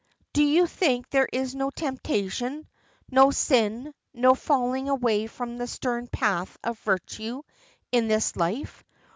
do you think there is no temptation no sin no falling away from the stern path of virtue in this life?